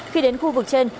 khi đến khu vực trên